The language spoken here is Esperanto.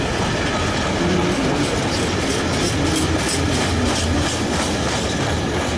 Ili loĝas ĉefe, sed ne nur en la Malnova Mondo.